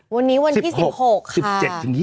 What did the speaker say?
วันนี้วันที่๑๖ค่ะ